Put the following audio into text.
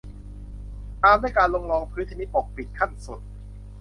ตามด้วยการลงรองพื้นชนิดปกปิดขั้นสุด